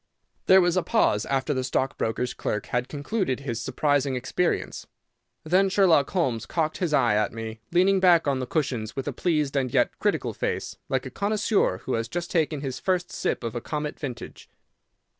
There was a pause after the stockbroker's clerk had concluded his surprising experience. Then Sherlock Holmes cocked his eye at me, leaning back on the cushions with a pleased and yet critical face, like a connoisseur who has just taken his first sip of a comet vintage.